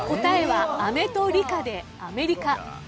答えは「あめ」と「理科」で「アメリカ」。